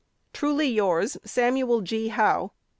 Truly yours, SAMUICI, G. HOWH.